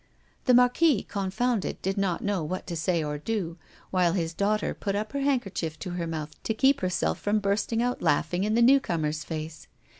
The Marquis, confounded, did not know what to say or do, while his daughter put her handkerchief to her mouth to keep herself from bursting out laughing in the newcomer's face.